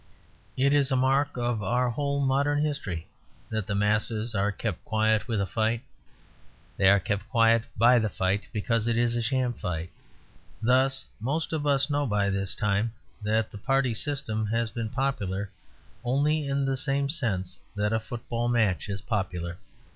It is a mark of our whole modern history that the masses are kept quiet with a fight. They are kept quiet by the fight because it is a sham fight; thus most of us know by this time that the Party System has been popular only in the same sense that a football match is popular.